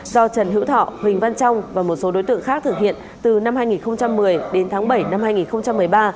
do trần hữu thọ huỳnh văn trong và một số đối tượng khác thực hiện từ năm hai nghìn một mươi đến tháng bảy năm hai nghìn một mươi ba